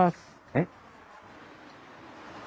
えっ？